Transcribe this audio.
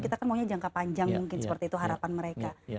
kita kan maunya jangka panjang mungkin seperti itu harapan mereka